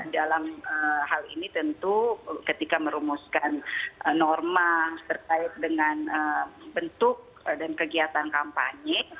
dalam hal ini tentu ketika merumuskan norma terkait dengan bentuk dan kegiatan kampanye